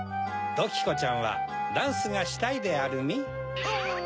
ドキコちゃんはダンスがしたいでアルミ？